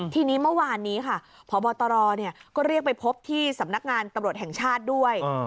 ทีนี้เมื่อวานนี้ค่ะพบตรก็เรียกไปพบที่สำนักงานตำรวจแห่งชาติด้วย